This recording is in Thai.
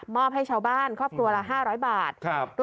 อบให้ชาวบ้านครอบครัวละ๕๐๐บาท